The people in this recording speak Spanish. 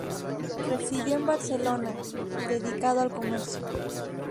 Residió en Barcelona, dedicado al comercio.